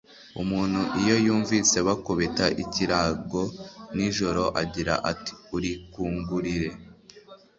Umuntu iyo yumvise bakubita ikirago nijoro agira ati Urikungurire